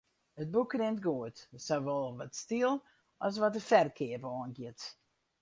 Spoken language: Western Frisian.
It boek rint goed, sawol wat styl as wat de ferkeap oangiet.